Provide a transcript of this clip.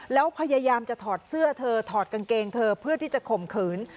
แล้วพยายามจะถอดเสื้อเธอถอดกางเกงเธอเพื่อที่จะข่มขืน